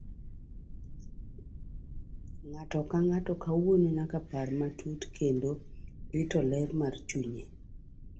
Ng'ato ka ng'ato kuomwa nyaka par matut kendo rito ler mar chunye.